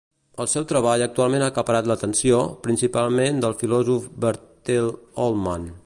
El seu treball actualment ha acaparat l'atenció, principalment del filòsof Bertell Ollman.